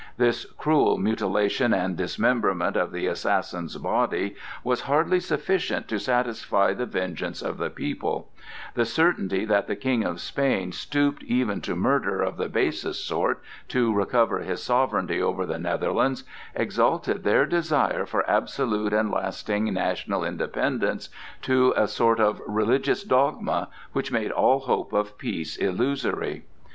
This cruel mutilation and dismemberment of the assassin's body was hardly sufficient to satisfy the vengeance of the people; the certainty that the King of Spain stooped even to murder of the basest sort to recover his sovereignty over the Netherlands exalted their desire for absolute and lasting national independence to a sort of religious dogma which made all hope of peace illusory.